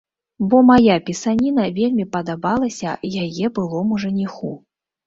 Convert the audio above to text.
Бо мая пісаніна вельмі падабалася яе былому жаніху.